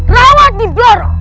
rawat di bloro